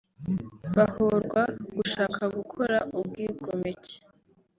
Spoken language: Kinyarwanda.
bahorwa gushaka gukora ubwigomeke